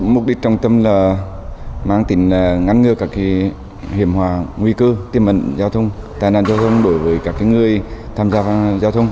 mục đích trọng tâm là mang tính ngăn ngược các hiểm hòa nguy cư tiêm mệnh giao thông tài năng giao thông đối với các người tham gia giao thông